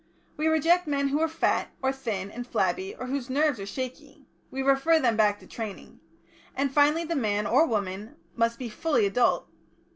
We reject men who are fat, or thin and flabby, or whose nerves are shaky we refer them back to training. And finally the man or woman must be fully adult."